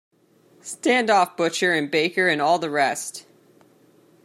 Stand off butcher and baker and all the rest.